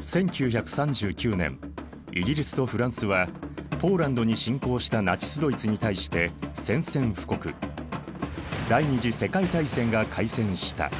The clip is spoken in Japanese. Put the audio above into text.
１９３９年イギリスとフランスはポーランドに侵攻したナチスドイツに対して宣戦布告第二次世界大戦が開戦した。